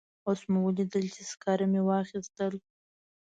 اوس مو ولیدل چې سکاره مې واخیستل.